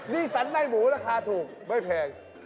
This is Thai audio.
นี่สันในหมูราคาถูกไม่แพง